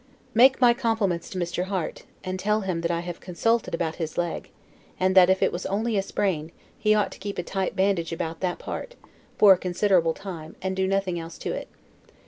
Make my compliments to Mr. Harte, and tell him that I have consulted about his leg, and that if it was only a sprain, he ought to keep a tight bandage about the part, for a considerable time, and do nothing else to it.